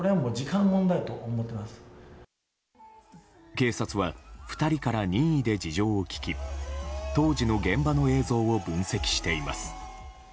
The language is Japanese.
警察は２人から任意で事情を聴き当時の現場の映像を分析しています。